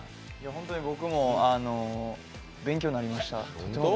本当に僕も勉強になりました。